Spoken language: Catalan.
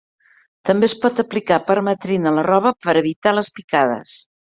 També es pot aplicar permetrina a la roba per evitar les picades.